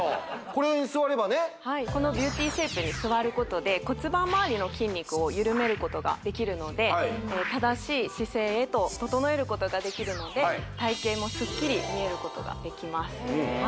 これに座ればねはいビューティーシェイプに座ることで骨盤まわりの筋肉を緩めることができるので正しい姿勢へと整えることができるので体型もスッキリ見えることができます